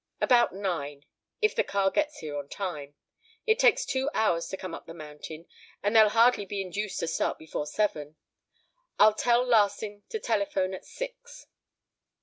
"About nine, if the car gets here on time. It takes two hours to come up the mountain, and they'll hardly be induced to start before seven. I'll tell Larsing to telephone at six."